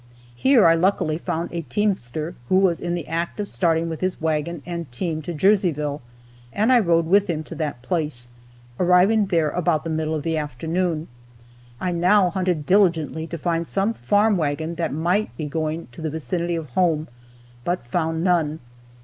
Here I luckily found a teamster who was in the act of starting with his wagon and team to Jerseyville, and I rode with him to that place, arriving there about the middle of the afternoon. I now hunted diligently to find some farm wagon that might be going to the vicinity of home, but found none.